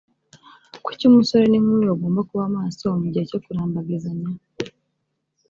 kuki umusore n’inkumi bagomba kuba maso mu gihe cyo kurambagizanya?